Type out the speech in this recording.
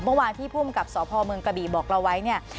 เมื่อวานที่ภูมิกับสพเมืองกระบี่บอกเราไว้เนี่ย